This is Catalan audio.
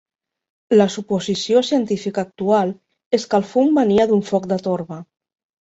La suposició científica actual és que el fum venia d'un foc de torba.